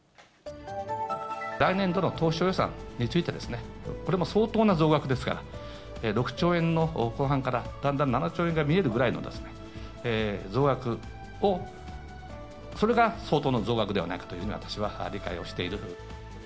来年度の当初予算について、これ、もう相当の増額ですから、６兆円の後半から、だんだん７兆円が見えるくらいの増額を、それが相当な増額ではないかというふうに、私は理解をしている。